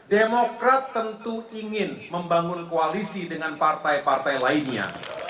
demokrat tentu ingin membangun koalisi dengan partai partai lainnya